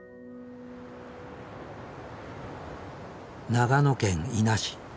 長野県伊那市。